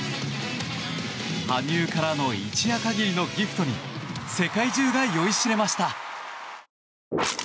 羽生からの一夜限りのギフトに世界中が酔いしれました。